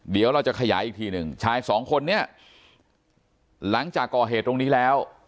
เดี๋ยวเราจะขยายอีกทีหนึ่งชายสองคนนี้หลังจากก่อเหตุตรงนี้แล้ว